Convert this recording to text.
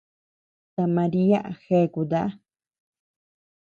Ta María jeakuta.